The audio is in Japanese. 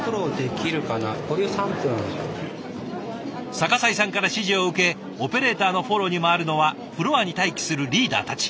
逆井さんから指示を受けオペレーターのフォローに回るのはフロアに待機するリーダーたち。